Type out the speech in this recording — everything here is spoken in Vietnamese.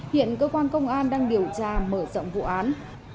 hiện cơ quan công an đang điều tra mở rộng vụ án